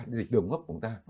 dịch đường gấp của người ta